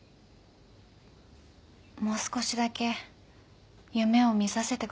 もう少しだけ夢を見させてください。